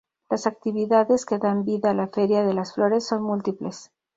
Las actividades que dan vida a la "Feria de las flores" son múltiples.